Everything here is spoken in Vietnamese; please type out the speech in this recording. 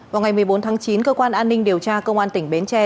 vào ngày một mươi bốn tháng chín cơ quan an ninh điều tra công an tỉnh bến tre